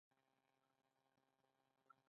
انا د ژوند اوږده کیسه ده